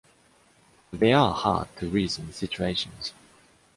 But there are hard to reason situations.